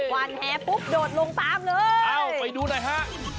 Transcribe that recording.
หวานแหปุ๊บโดดลงตามเลยเอ้าไปดูหน่อยฮะ